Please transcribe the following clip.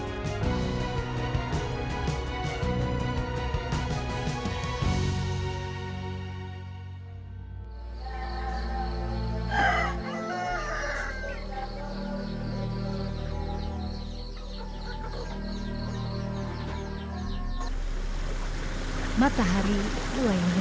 hai matahari luar yang nyentuh bumi